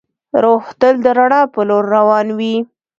روح تل د رڼا په لور روان وي.